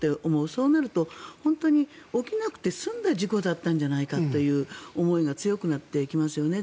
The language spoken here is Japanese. そうなると、本当に起きなくて済んだ事故だったんじゃないかという思いが強くなってきますよね。